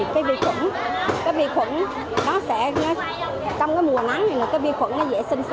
cái bì khuẩn cái bì khuẩn nó sẽ trong cái mùa nắng thì cái bì khuẩn nó dễ sinh sâu